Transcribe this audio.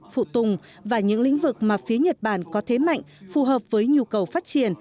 phụ tùng và những lĩnh vực mà phía nhật bản có thế mạnh phù hợp với nhu cầu phát triển